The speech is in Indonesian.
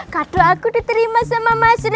kadeb aku diterima sama mas rendy